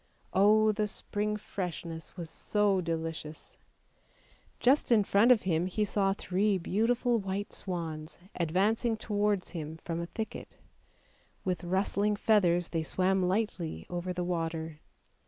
Oh! the spring freshness was so delicious ! Just in front of him he saw three beautiful white swans advancing towards him from a thicket; with rustling feathers they swam lightly over the water.